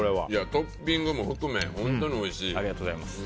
トッピングも含め本当においしい。